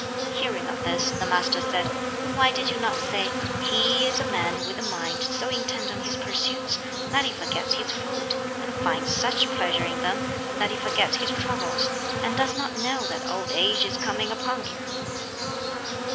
Hearing of this, the Master said, "Why did you not say, He is a man with a mind so intent on his pursuits that he forgets his food, and finds such pleasure in them that he forgets his troubles, and does not know that old age is coming upon him?"